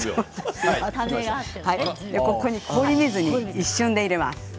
氷水に一瞬で入れます。